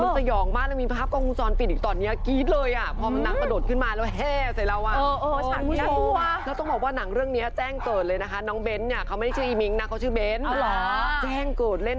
มันสย่องมากแล้วมีภาพกองฮุ้วสวรนท์ปิดอีกตอนนี้กี๊ดเลย